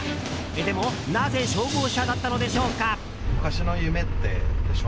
でも、なぜ消防車だったのでしょうか？